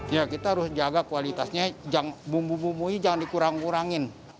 ya kita harus jaga kualitasnya bumbu bumbunya jangan dikurang kurangin